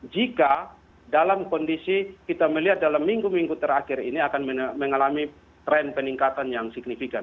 jika dalam kondisi kita melihat dalam minggu minggu terakhir ini akan mengalami tren peningkatan yang signifikan